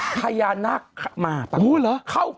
พยานาคมา